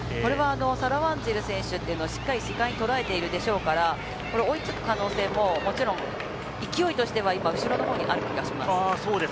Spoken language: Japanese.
サラ・ワンジル選手というのは、しっかり視界に捉えているでしょうから、追い付く可能性ももちろん勢いとしては後ろの方にある気がします。